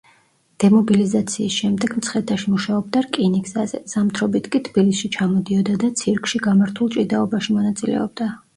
დემობილიზაციის შემდეგ მცხეთაში მუშაობდა რკინიგზაზე, ზამთრობით კი თბილისში ჩამოდიოდა და ცირკში გამართულ ჭიდაობაში მონაწილეობდა.